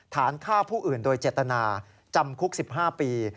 ฐานฆ่าผู้อื่นโดยเจตนาจำคุก๑๕ปี